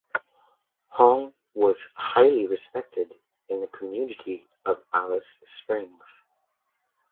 Hong was highly respected in the community of Alice Springs.